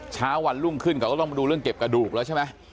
เช้าวันรุ่งขึ้นเขาก็ต้องมาดูเรื่องเก็บกระดูกแล้วใช่ไหม